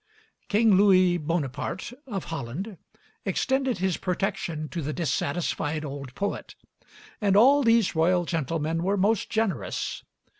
King Louis (Bonaparte) of Holland extended his protection to the dissatisfied old poet; and all these royal gentlemen were most generous.